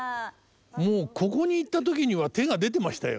もうここに行った時には手が出てましたよ。